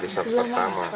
di sat pertama